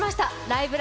ライブ！」